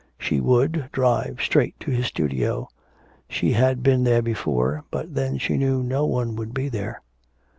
She would, drive straight to his studio. She had been there before, but then she knew no one would be there.